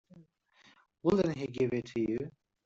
Wouldn't he give it to you?